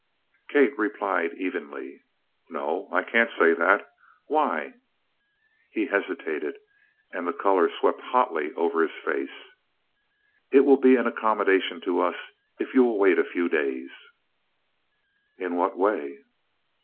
Kate replied evenly: "No I can't say that. Why?" He hesitated and the color swept hotly over his face. "It will be an accommodation to us if you will wait a few days." "In what way?"